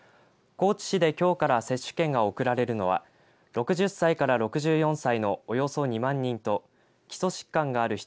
高知市できょうから接種券が送られるのは６０歳から６４歳のおよそ２万人と基礎疾患がある人